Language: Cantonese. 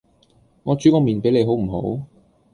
我煮個麵俾你好唔好？